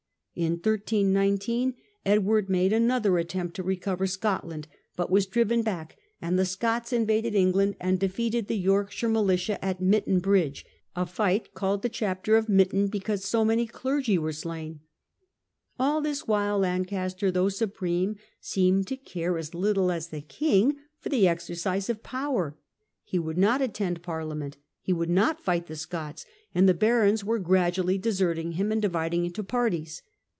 In 13 19 Edward made another attempt to recover Scot land, but was driven back, and the Scots invaded Eng land and defeated the Yorkshire militia at Mytton Bridge — ^a fight called the * Chapter of Mytton ', because so many clergy were slain. All this while Lancaster, though supreme, seemed to care as little as the king for the exer cise of power. He would not attend Parliament, he would not fight the Scots, and the barons were gradually deserting him and dividing into parties.